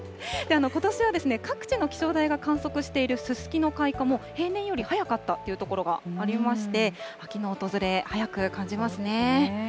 ことしは、各地の気象台が観測しているすすきの開花も、平年より早かったという所がありまして、秋の訪れ、早く感じますね。